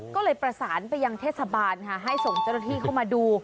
ก็เลยประสานไปยังเทศบาลค่ะให้ส่งเจ้าหน้าที่เข้ามาดู